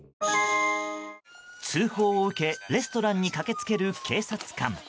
通報を受けレストランに駆けつける警察官。